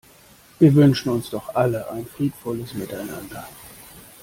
Wir wünschen uns doch alle ein friedvolles Miteinander.